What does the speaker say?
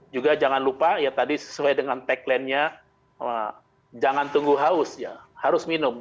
juga jangan lupa ya tadi sesuai dengan tagline nya jangan tunggu haus ya harus minum